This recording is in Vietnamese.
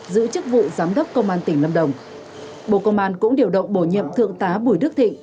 giữ chức vụ giám đốc công an tỉnh lâm đồng bộ công an cũng điều động bổ nhiệm thượng tá bùi đức thịnh